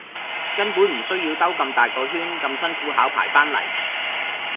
根本唔需要兜咁大個圈咁辛苦考牌番黎